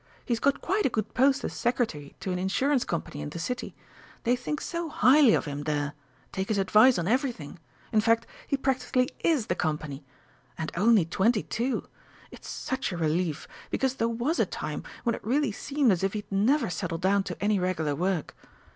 He's got quite a good post as Secretary to an Insurance Co., in the City: they think so highly of him there take his advice on everything in fact, he practically is the Company! And only twenty two! It's such a relief, because there was a time when it really seemed as if he'd never settle down to any regular work.